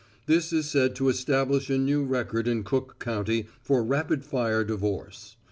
This is said to establish a new record in Cook county for rapid fire divorce.